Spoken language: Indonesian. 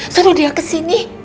suruh dia kesini